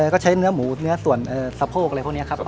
ก็ใช้เนื้อหมูเนื้อส่วนสะโพกอะไรพวกนี้ครับ